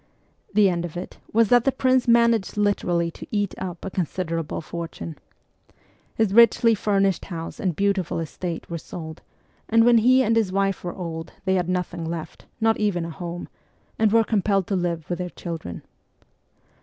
The end of it was that the prince managed literally to eat up a considerable fortune. His richly furnished house and beautiful estate were sold, and when he and his wife were old they had nothing left, not even a home, and were compelled to live with their children.